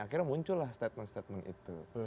akhirnya muncul lah statement statement itu